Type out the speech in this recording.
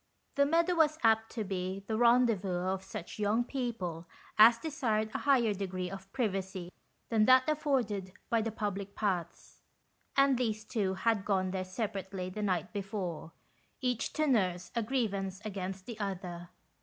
The meadow was apt to be the rendezvous of such young people as desired a higher degree of privacy than that afforded by the public paths ; and these two had gone there separately the night before, each to nurse a grievance against the other.